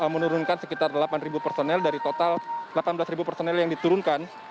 menurunkan sekitar delapan personel dari total delapan belas personel yang diturunkan